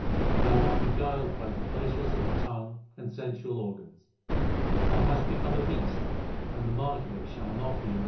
Thou art beguiled by the pleasures of the tongue and sensual organs. Thou hast become a beast, and the mark of it shall not be erased. 1 That is, go not a begging.